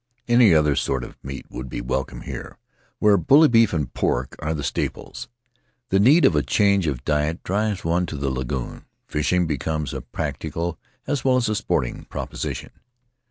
Any other sort of meat would be welcome here where bully beef and pork are the staples. The need of a change of diet drives one to the lagoon; fishing becomes a practical as well as a sporting proposition.